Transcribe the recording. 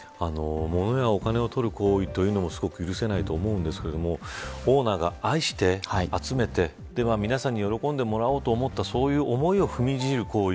物やお金を取る行為というのもすごく許せないと思うんですがオーナーが愛して集めて皆さんに喜んでもらおうと思った、そういう思いを踏みにじる行為。